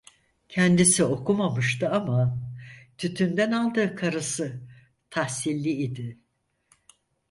Kendisi okumamıştı ama, tütünden aldığı karısı "tahsilli" idi.